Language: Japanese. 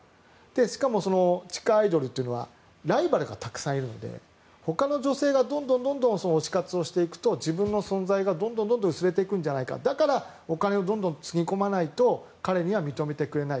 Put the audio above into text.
しかも地下アイドルというのはライバルがたくさんいるのでほかの女性がどんどん推し活をしていくと自分の存在がどんどん薄れていくんじゃないかだから、お金をどんどんつぎ込まないと彼は認めてくれない。